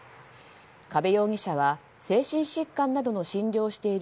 加部容疑者は精神疾患などの診療をしている